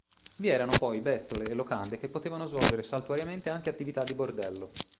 Vi erano poi bettole e locande che potevano svolgere saltuariamente anche attività di bordello.